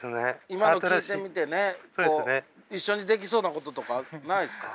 今の聞いてみてね一緒にできそうなこととかないですか？